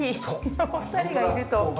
お二人がいると。